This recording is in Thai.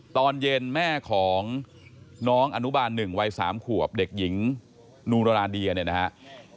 ตอนเย็นแม่ของน้องอนุบาล๑วัย๓ขวบเด็กหญิงนูราเดียเนี่ยนะครับ